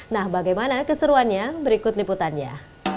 nah bagaimana keseruannya berikut liputannya